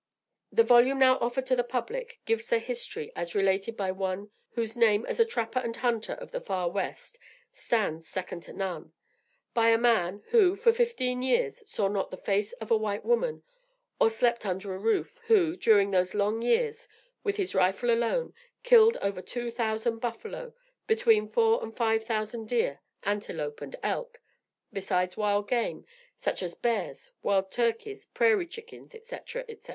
The volume now offered to the public, gives their history as related by one whose name as a trapper and hunter of the "Far West," stands second to none; by a man, who, for fifteen years, saw not the face of a white woman, or slept under a roof; who, during those long years, with his rifle alone, killed over two thousand buffalo, between four and five thousand deer, antelope and elk, besides wild game, such as bears, wild turkeys, prairie chickens, etc., etc.